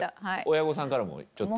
親御さんからもちょっと。